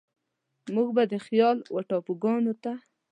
موږ به د خيال و ټاپوګانوته،